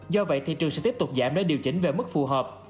do vậy thị trường sẽ tiếp tục giảm để điều chỉnh về mức phù hợp